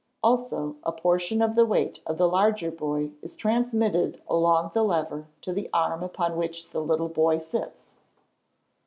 Also, a portion of the weight of the larger boy is transmitted along the lever to the arm upon which the little boy sits.